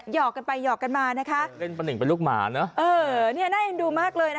หยอกกันไปหยอกกันมานะคะเป็นลูกหมาเนอะเออเนี่ยน่าให้ดูมากเลยนะคะ